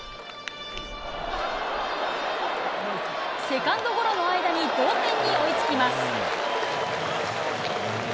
セカンドゴロの間に同点に追いつきます。